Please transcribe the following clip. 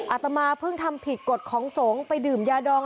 อาตมาเพิ่งทำผิดกฎของสงฆ์ไปดื่มยาดอง